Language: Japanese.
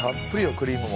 クリームも。